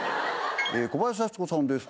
小林幸子さんです。